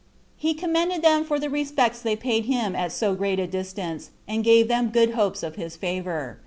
He commended them for the respects they paid him at so great a distance, and gave them good hopes of his favor.